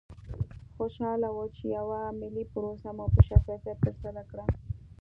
خوشحاله وو چې یوه ملي پروسه مو په شفافیت ترسره کړه.